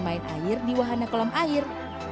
main air di wahana kolam air